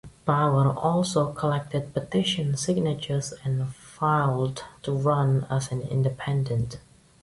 Bauer also collected petition signatures and filed to run as an independent.